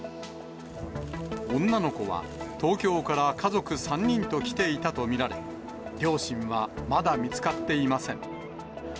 女の子は、東京から家族３人と来ていたと見られ、両親はまだ見つかっていません。